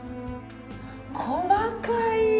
細かい！